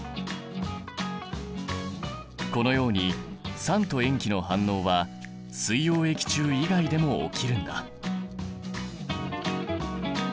このように酸と塩基の反応は水溶液中以外でも起きるんだ。